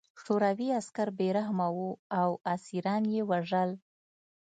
شوروي عسکر بې رحمه وو او اسیران یې وژل